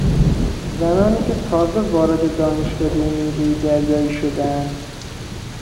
زنانی که تازه وارد دانشکدهی نیروی دریایی شدهاند